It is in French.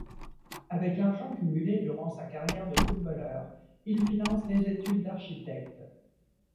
Avec l'argent cumulé durant sa carrière de footballeur, il finance des études d'architecte.